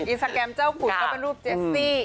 อินสตาแกรมเจ้าขุดก็เป็นรูปเจสซี่